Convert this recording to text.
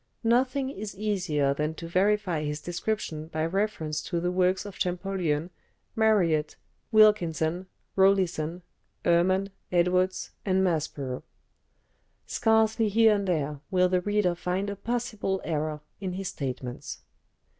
Nothing is easier than to verify his descriptions by reference to the works of Champollion, Mariette, Wilkinson, Rawlinson, Erman, Edwards, and Maspero. Scarcely here and there will the reader find a possible error in his statements.